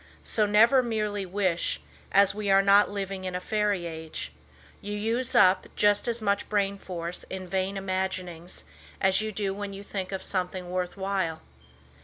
So never merely wish, as we are not living in a "fairy age." You use up just as much brain force in "vain imaginings" as you do when you think of something worth while.